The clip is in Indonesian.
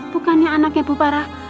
bukannya anaknya bu farah